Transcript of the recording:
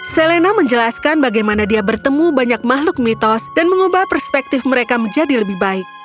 selena menjelaskan bagaimana dia bertemu banyak makhluk mitos dan mengubah perspektif mereka menjadi lebih baik